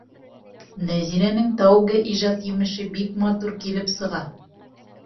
Нәзирәнең тәүге ижад емеше бик матур килеп сыға.